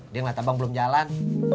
dia ngeliat abang belum jalan